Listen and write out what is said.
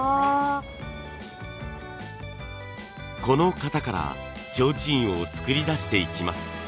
この型からちょうちんを作り出していきます。